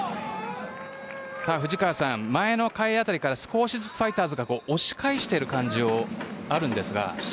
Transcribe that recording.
藤川さん、前の回辺りから少しずつファイターズが押し返している感じがありますが。